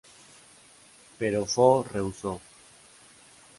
Pero Foo rehusó.